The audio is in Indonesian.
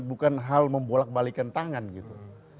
bukan hal membolak balikan tangan gitu